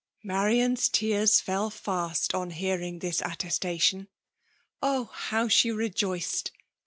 Marian's tears fell fast on hearing this at testation. . Oh ! how she rejoiced at.